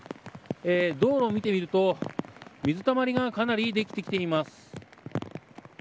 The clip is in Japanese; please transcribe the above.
道路を見てみると水たまりがかなりできています。